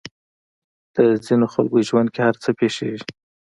د ځينې خلکو ژوند کې هر څه پېښېږي.